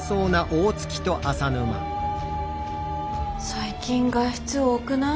最近外出多くない？